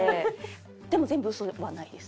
でも全部ウソはないです。